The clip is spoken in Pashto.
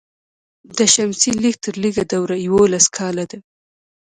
د شمسي لږ تر لږه دوره یوولس کاله ده.